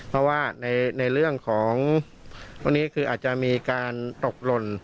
เพราะว่าในเรื่องของพวกนี้คืออาจจะมีการตกหล่น